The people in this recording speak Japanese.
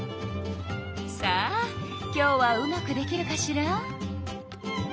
さあ今日はうまくできるかしら？